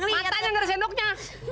matanya gaada sendoknya